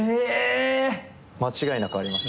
間違いなくあります。